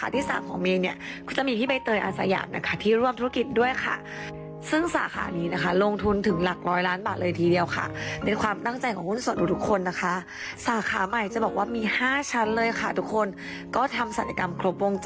ตามนะครับเปิดเดือนมีนานนี้แล้วค่ะทุกคนนี่ก็คือหน้าตาหุ้นส่อง